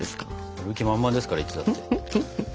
やる気満々ですからいつだって。